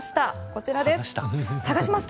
こちらです。